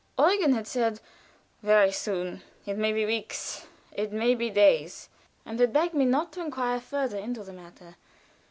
Eugen had said, "Very soon it may be weeks, it may be days," and had begged me not to inquire further into the matter.